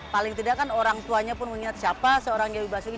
paling tidak kan orang tuanya pun mengingat siapa seorang dewi basuki